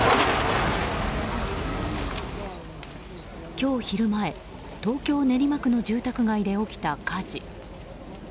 今日昼前、東京・練馬区の住宅街で起きた火事。